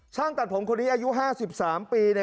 ช่างตัดผงคนนี้อายุ๕๓ปี